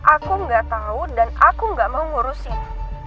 aku gak tau dan aku gak mau ngurusin